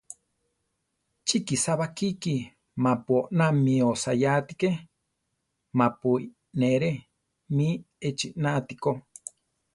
Chi kisá bakíki mapu oná mi osayá atíke, mapu ínere mí echina atikó.